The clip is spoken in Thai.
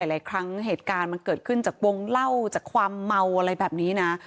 หลายครั้งเหตุการณ์มันเกิดขึ้นจากวงเล่าจากความเมาอะไรแบบนี้นะ